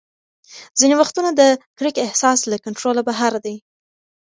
ځینې وختونه د کرکې احساس له کنټروله بهر دی.